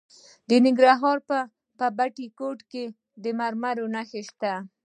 د ننګرهار په بټي کوټ کې د مرمرو نښې شته.